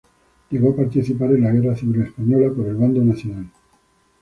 Llegó a participar en la Guerra Civil Española por el bando nacional.